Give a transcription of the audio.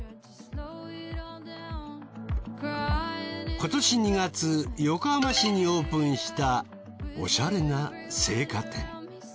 今年２月横浜市にオープンしたおしゃれな青果店。